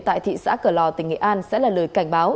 tại thị xã cửa lò tỉnh nghệ an sẽ là lời cảnh báo